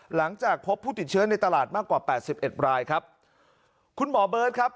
หลังจากพบผู้ติดเชื้อในตลาดมากกว่าแปดสิบเอ็ดรายครับคุณหมอเบิร์ตครับ